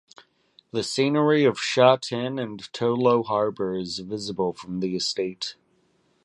The scenery of Sha Tin and Tolo Harbour is visible from the estate.